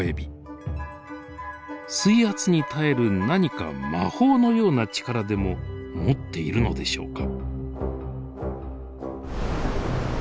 水圧に耐える何か魔法のような力でも持っているのでしょうか。